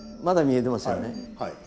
まだ見えてませんね。